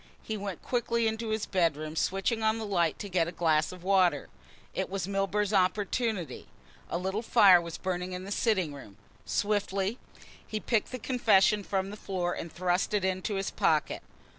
He went quickly into his bedroom, switching on the light, to get a glass of water. It was Milburgh's opportunity. A little fire was burning in the sitting room. Swiftly he picked the confession from the floor and thrust it into his pocket.